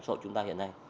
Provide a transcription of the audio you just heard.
sội chúng ta hiện nay